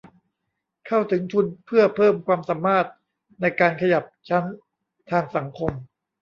เข้าถึงทุนเพื่อเพิ่มความสามารถในการขยับชั้นทางสังคม